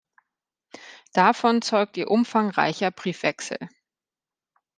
Davon zeugt ihr umfangreicher Briefwechsel.